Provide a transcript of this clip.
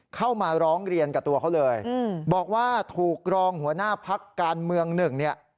เข้ามาร้องเรียนกับตัวเขาเลยบอกว่าถูกรองหัวหน้าพักการเมืองหนึ่งเนี่ย